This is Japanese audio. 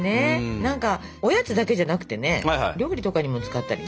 何かおやつだけじゃなくてね料理とかにも使ったりね。